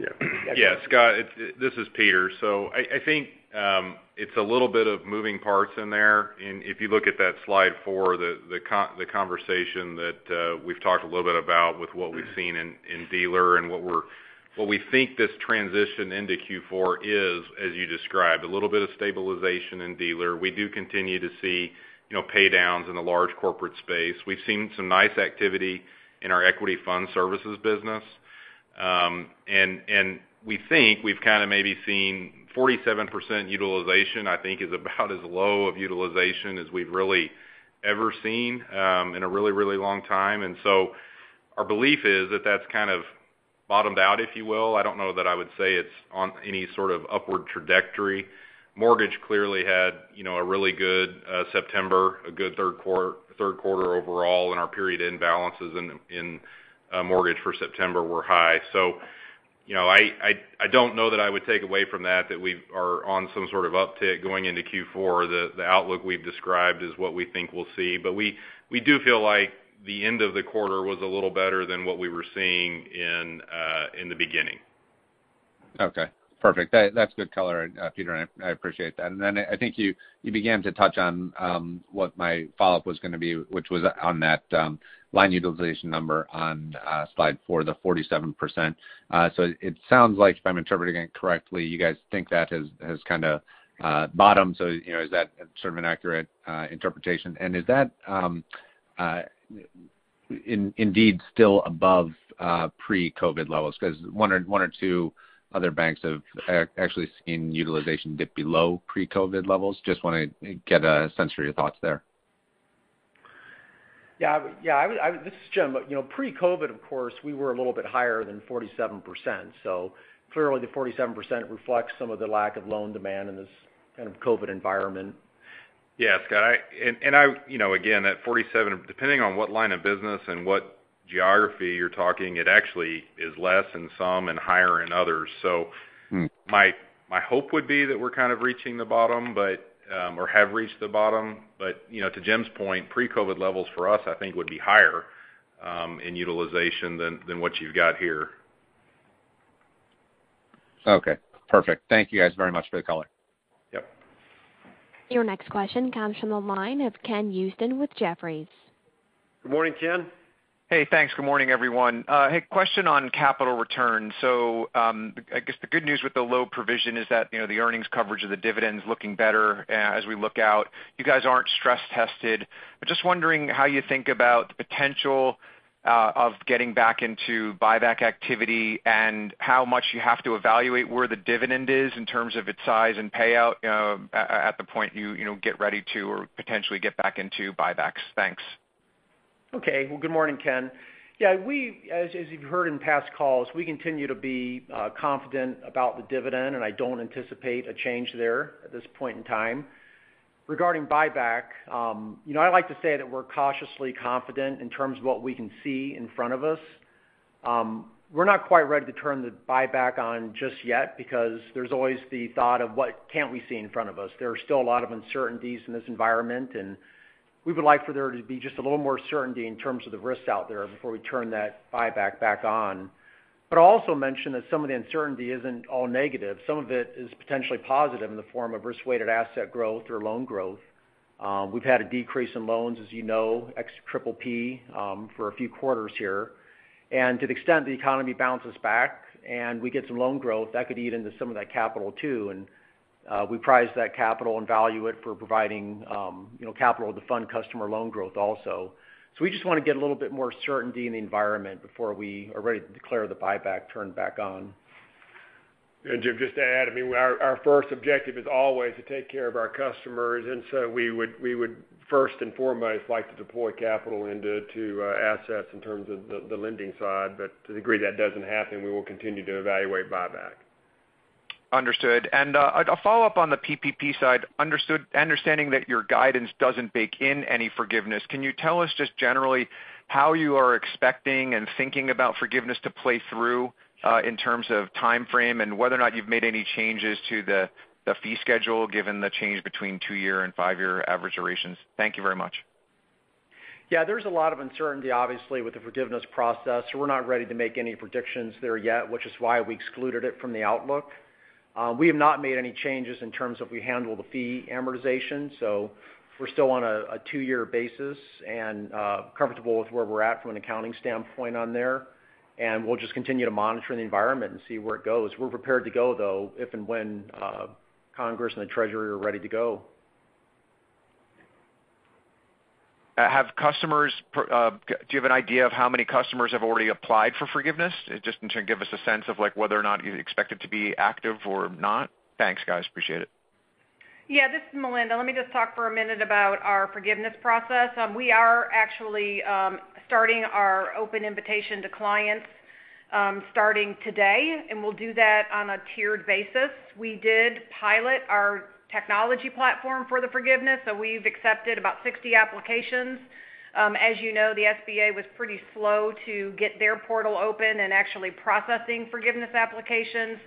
Yeah, Scott, this is Peter. I think it's a little bit of moving parts in there. If you look at that slide four, the conversation that we've talked a little bit about with what we've seen in dealer and what we think this transition into Q4 is, as you described, a little bit of stabilization in dealer. We do continue to see pay downs in the large corporate space. We've seen some nice activity in our Equity Fund Services business. We think we've kind of maybe seen 47% utilization, I think is about as low of utilization as we've really ever seen in a really, really long time. Our belief is that's kind of bottomed out, if you will. I don't know that I would say it's on any sort of upward trajectory. Mortgage clearly had a really good September, a good third quarter overall, and our period-end balances in mortgage for September were high. I don't know that I would take away from that we are on some sort of uptick going into Q4. The outlook we've described is what we think we'll see. We do feel like the end of the quarter was a little better than what we were seeing in the beginning. Okay, perfect. That's good color, Peter, and I appreciate that. Then I think you began to touch on what my follow-up was going to be, which was on that line utilization number on slide four, the 47%. It sounds like, if I'm interpreting it correctly, you guys think that has kind of bottomed. Is that sort of an accurate interpretation? Is that indeed still above pre-COVID levels? Because one or two other banks have actually seen utilization dip below pre-COVID levels. Just want to get a sense for your thoughts there. This is Jim. Pre-COVID, of course, we were a little bit higher than 47%, so clearly the 47% reflects some of the lack of loan demand in this kind of COVID environment. Yeah. Scott, again, that 47%, depending on what line of business and what geography you're talking, it actually is less in some and higher in others. My hope would be that we're kind of reaching the bottom, or have reached the bottom. To Jim's point, pre-COVID levels for us, I think would be higher, in utilization than what you've got here. Okay, perfect. Thank you guys very much for the color. Yep. Your next question comes from the line of Ken Usdin with Jefferies. Good morning, Ken. Hey, thanks. Good morning, everyone. A question on capital return. I guess the good news with the low provision is that, the earnings coverage of the dividend's looking better as we look out. You guys aren't stress-tested. Just wondering how you think about the potential of getting back into buyback activity and how much you have to evaluate where the dividend is in terms of its size and payout at the point you get ready to or potentially get back into buybacks. Thanks. Okay. Well, good morning, Ken. As you've heard in past calls, we continue to be confident about the dividend. I don't anticipate a change there at this point in time. Regarding buyback, I like to say that we're cautiously confident in terms of what we can see in front of us. We're not quite ready to turn the buyback on just yet because there's always the thought of what can't we see in front of us. There are still a lot of uncertainties in this environment. We would like for there to be just a little more certainty in terms of the risks out there before we turn that buyback back on. We also mention that some of the uncertainty isn't all negative. Some of it is potentially positive in the form of risk-weighted asset growth or loan growth. We've had a decrease in loans, as you know, ex PPP, for a few quarters here. To the extent the economy bounces back and we get some loan growth, that could eat into some of that capital, too. We prize that capital and value it for providing capital to fund customer loan growth also. We just want to get a little bit more certainty in the environment before we are ready to declare the buyback turned back on. Jim, just to add, our first objective is always to take care of our customers, we would first and foremost like to deploy capital into assets in terms of the lending side. To the degree that doesn't happen, we will continue to evaluate buyback. Understood. A follow-up on the PPP side. Understanding that your guidance doesn't bake in any forgiveness, can you tell us just generally how you are expecting and thinking about forgiveness to play through in terms of timeframe, and whether or not you've made any changes to the fee schedule given the change between two-year and five-year average durations? Thank you very much. There's a lot of uncertainty, obviously, with the forgiveness process. We're not ready to make any predictions there yet, which is why we excluded it from the outlook. We have not made any changes in terms of we handle the fee amortization. We're still on a two-year basis and comfortable with where we're at from an accounting standpoint on there. We'll just continue to monitor the environment and see where it goes. We're prepared to go, though, if and when Congress and the Treasury are ready to go. Do you have an idea of how many customers have already applied for forgiveness? Just to give us a sense of whether or not you expect it to be active or not. Thanks, guys. Appreciate it. Yeah, this is Melinda. Let me just talk for a minute about our forgiveness process. We are actually starting our open invitation to clients starting today, and we'll do that on a tiered basis. We did pilot our technology platform for the forgiveness, so we've accepted about 60 applications. As you know, the SBA was pretty slow to get their portal open and actually processing forgiveness applications.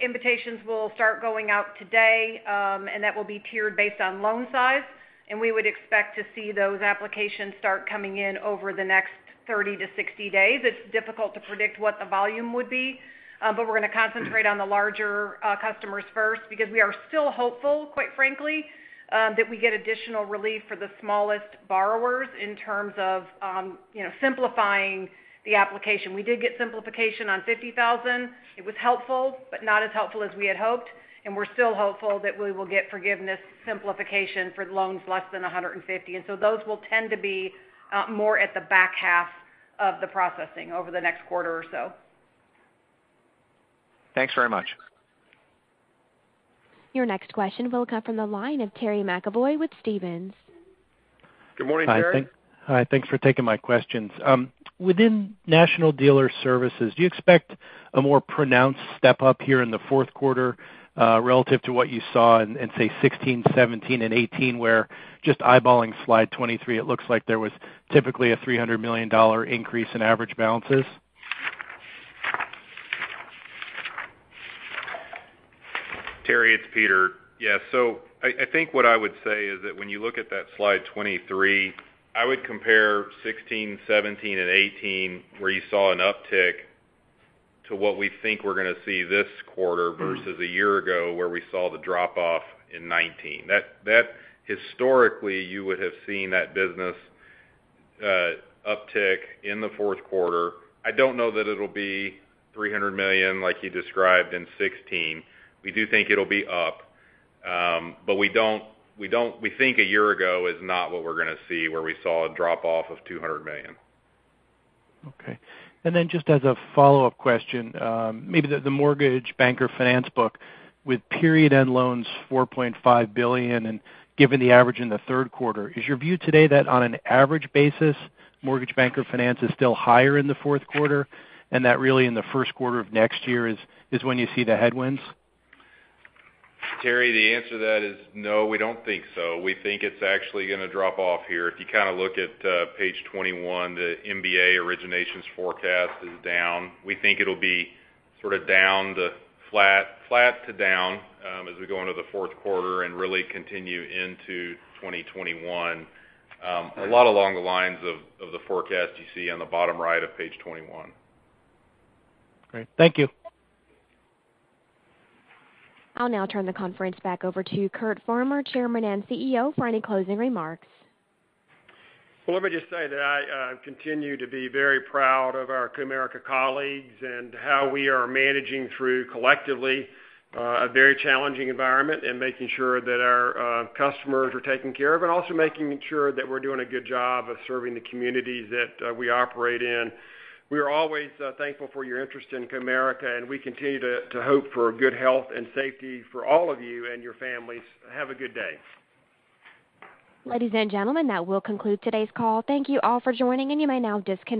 Invitations will start going out today, and that will be tiered based on loan size, and we would expect to see those applications start coming in over the next 30 to 60 days. It's difficult to predict what the volume would be. We're going to concentrate on the larger customers first because we are still hopeful, quite frankly, that we get additional relief for the smallest borrowers in terms of simplifying the application. We did get simplification on 50,000. It was helpful, but not as helpful as we had hoped, and we're still hopeful that we will get forgiveness simplification for loans less than 150. Those will tend to be more at the back half of the processing over the next quarter or so. Thanks very much. Your next question will come from the line of Terry McEvoy with Stephens. Good morning, Terry. Hi. Thanks for taking my questions. Within National Dealer Services, do you expect a more pronounced step-up here in the fourth quarter relative to what you saw in, say, 2016, 2017, and 2018, where just eyeballing slide 23, it looks like there was typically a $300 million increase in average balances? Terry, it's Peter. Yeah. I think what I would say is that when you look at that slide 23, I would compare 2016, 2017, and 2018, where you saw an uptick to what we think we're going to see this quarter versus a year ago where we saw the drop-off in 2019. Historically, you would have seen that business uptick in the fourth quarter. I don't know that it'll be $300 million like you described in 2016. We do think it'll be up. We think a year ago is not what we're going to see, where we saw a drop-off of $200 million. Okay. Just as a follow-up question, maybe the Mortgage Banker Finance book with period end loans, $4.5 billion, and given the average in the third quarter, is your view today that on an average basis, Mortgage Banker Finance is still higher in the fourth quarter, and that really in the first quarter of next year is when you see the headwinds? Terry, the answer to that is no, we don't think so. We think it's actually going to drop off here. If you kind of look at page 21, the MBA originations forecast is down. We think it'll be sort of flat to down as we go into the fourth quarter and really continue into 2021. A lot along the lines of the forecast you see on the bottom right of page 21. Great. Thank you. I'll now turn the conference back over to Curt Farmer, Chairman and CEO, for any closing remarks. Well, let me just say that I continue to be very proud of our Comerica colleagues and how we are managing through, collectively, a very challenging environment and making sure that our customers are taken care of, and also making sure that we're doing a good job of serving the communities that we operate in. We are always thankful for your interest in Comerica, and we continue to hope for good health and safety for all of you and your families. Have a good day. Ladies and gentlemen, that will conclude today's call. Thank you all for joining, and you may now disconnect.